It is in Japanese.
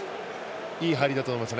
いい入りだと思います。